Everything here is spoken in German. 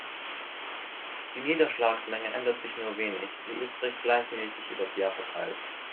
Die Niederschlagsmenge ändert sich nur wenig, sie ist recht gleichmäßig übers Jahr verteilt.